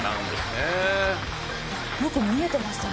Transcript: なんか見えてましたね